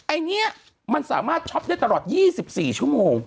อันนี้มันสามารถช็อปได้ตลอด๒๔ชั่วโมง